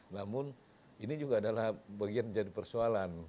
namun ini juga adalah bagian menjadi persoalan